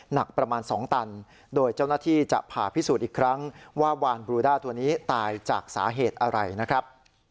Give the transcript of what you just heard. หนักประมาณ๒ตันโดยเจ้าหน้าที่จะผ่าพิสูจน์อีกครั้งว่าวานบลูด้าตัวนี้ตายจากสาเหตุอะไรนะครับ